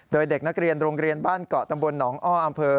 โดยเด็กนักเรียนโรงเรียนบ้านเกาะตำบลหนองอ้ออำเภอ